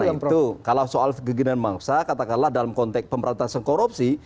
nah oleh karena itu kalau soal kegendengan memaksa katakanlah dalam konteks pemerintahan korupsi